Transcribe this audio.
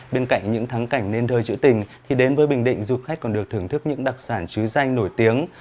bên cạnh những thắng cảnh nên thơi chữ tình thì đến với bình định du khách còn được thưởng thức những đặc sản chứ danh nổi tiếng